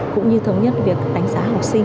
cũng như thống nhất việc đánh giá học sinh